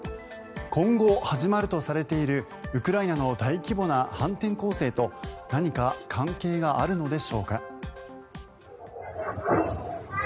今後、始まるとされているウクライナの大規模な反転攻勢と何か関係があるのでしょうか。